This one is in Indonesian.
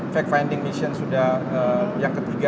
fact finding mission sudah yang ketiga